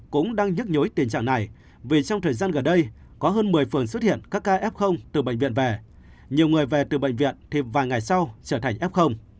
cũng đang nhắc nhớ tình trạng này vì trong thời gian gần đây có hơn một mươi phường xuất hiện các ca f từ bệnh viện về nhiều người về từ bệnh viện thì vài ngày sau trở thành f